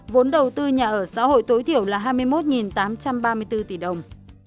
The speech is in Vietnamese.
vốn đầu tư nhà ở xã hội tối thiểu là hai mươi một tám trăm ba mươi bốn tỷ đồng